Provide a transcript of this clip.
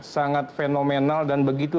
sangat fenomenal dan begitu